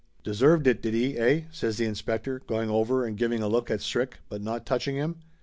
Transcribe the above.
"Deserved it, did he, eh?" says the inspector, going over and giving a look at Strick, but not touching him.